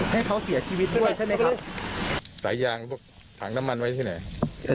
ให้เขาเสียชีวิตด้วยใช่ไหมครับสายยางพวกถังน้ำมันไว้ที่ไหน